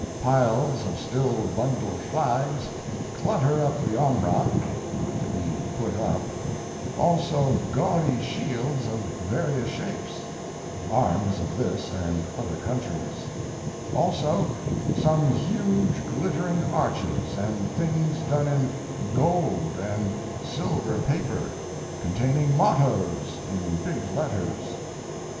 Piles of still bundled flags clutter up the ombra (to be put up), also gaudy shields of various shapes (arms of this and other countries), also some huge glittering arches and things done in gold and silver paper, containing mottoes in big letters.